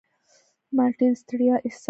مالټې د ستړیا احساس کموي.